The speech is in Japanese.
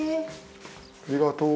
ありがとう。